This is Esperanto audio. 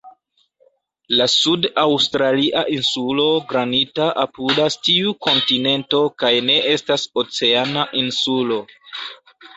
La sud-aŭstralia Insulo Granita apudas tiu kontinento kaj ne estas "oceana" insulo.